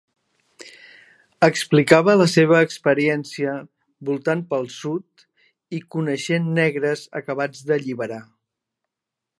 Explicava la seva experiència voltant pel Sud i coneixent negres acabats d'alliberar.